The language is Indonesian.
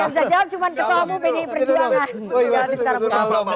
yang bisa jawab cuma ketemu pdi perjuangan